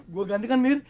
gua ganti kan mir